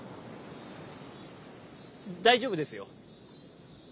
大丈夫ですよ。